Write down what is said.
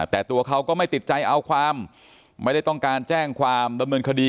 แต่ตัวเขาก็ไม่ติดใจเอาความไม่ได้ต้องการแจ้งความดำเนินคดี